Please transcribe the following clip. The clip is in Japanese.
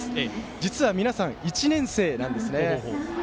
実は、皆さん１年生なんです。